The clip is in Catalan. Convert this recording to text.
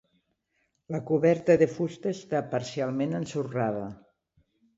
La coberta de fusta està parcialment ensorrada.